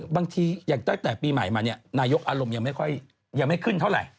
บางทีตั้งแต่ปีใหม่มานี่นายกอารมณ์ก็ยังไม่ขึ้นเท่าไหร่